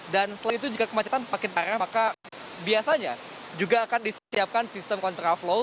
dan selain itu jika kemacetan semakin parah maka biasanya juga akan disiapkan sistem contraflow